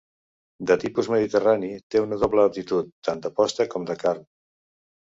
De tipus mediterrani, té una doble aptitud tant de posta com de carn.